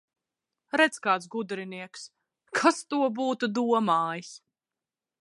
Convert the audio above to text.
Redz, kāds gudrinieks! Kas to būtu domājis!